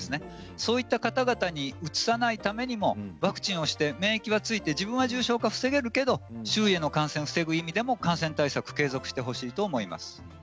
そういった方々にうつさないためにもワクチンをして免疫がついて自分は重症化は防げるけれど周囲への感染を防ぐためにも感染対策を継続してほしいと思います。